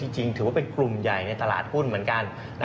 จริงถือว่าเป็นกลุ่มใหญ่ในตลาดหุ้นเหมือนกัน